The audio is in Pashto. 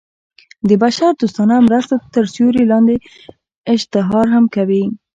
د بشر دوستانه مرستو تر سیورې لاندې اشتهار هم کوي.